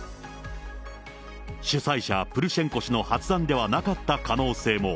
主催者、プルシェンコ氏の発案ではなかった可能性も。